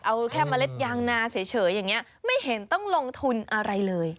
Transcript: เอาแค่เมล็ดยางนาเฉยอย่างนี้ไม่เห็นต้องลงทุนอะไรเลย